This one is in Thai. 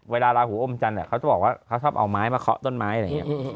เวลาลาหูอมจันทร์เขาจะบอกว่าเขาชอบเอาไม้มาเคาะต้นไม้อะไรอย่างนี้